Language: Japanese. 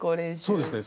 そうですね。